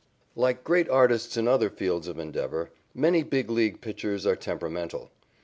_ Like great artists in other fields of endeavor, many Big League pitchers are temperamental.